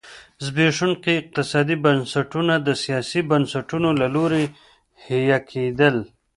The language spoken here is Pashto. زبېښونکي اقتصادي بنسټونه د سیاسي بنسټونو له لوري حیه کېدل.